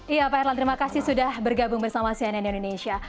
iya pak herlan terima kasih sudah bergabung bersama cnn indonesia